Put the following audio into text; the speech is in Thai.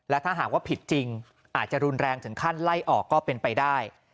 ถ้าหากว่าผิดจริงอาจจะรุนแรงถึงขั้นไล่ออกก็เป็นไปได้